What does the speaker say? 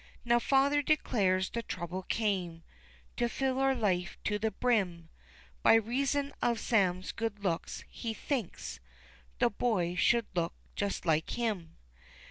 Now father declares the trouble came To fill our life to the brim By reason of Sam's good looks he thinks The boy should look just like him.